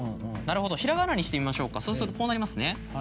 なるほど平仮名にしてみましょうそうするとこうなりますね。